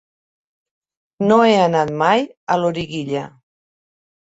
No he anat mai a Loriguilla.